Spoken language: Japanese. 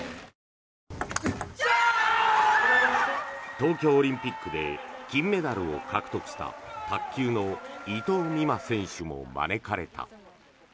東京オリンピックで金メダルを獲得した卓球の伊藤美誠選手も招かれた。